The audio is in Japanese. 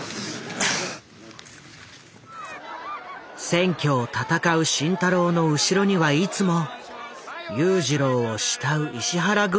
選挙を戦う慎太郎の後ろにはいつも裕次郎を慕う石原軍団の姿があった。